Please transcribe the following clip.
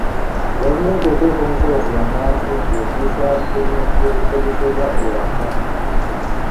Gavumenti eteeka omusolo ku bannansi ng'egussa ku bintu ebikozesebwa ewaka.